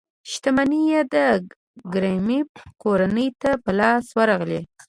شتمنۍ یې د کریموف کورنۍ ته په لاس ورغلې.